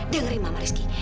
dengerin mama reski